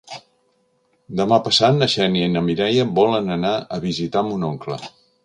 Demà passat na Xènia i na Mireia volen anar a visitar mon oncle.